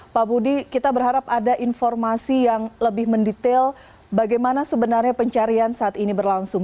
pak budi kita berharap ada informasi yang lebih mendetail bagaimana sebenarnya pencarian saat ini berlangsung